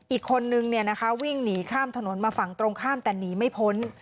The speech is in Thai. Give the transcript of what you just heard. อีกคนนึงวิ่งหนีข้ามถนนมาฝั่งตรงข้ามแต่หนีไม่พ้น